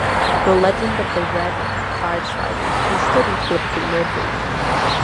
The legend of the "Red Clydesiders" can still be politically motivating.